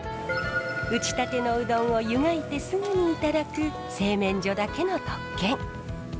打ちたてのうどんを湯がいてすぐにいただく製麺所だけの特権。